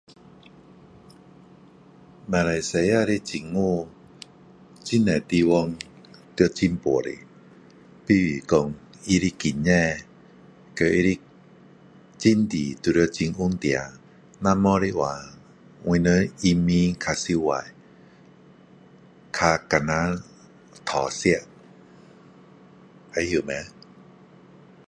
马来西亚的政府很多地方要进步的就是说他的经济和他的政治都需要很稳定不然的话我们移民较辛苦较难讨吃知道吗